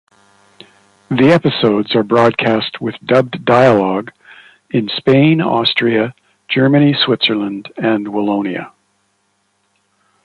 The episodes are broadcast with dubbed dialogue in Spain, Austria, Germany, Switzerland, and Wallonia.